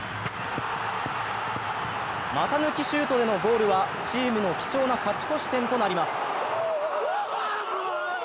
股抜きシュートでのゴールはチームの貴重な勝ち越し点となります。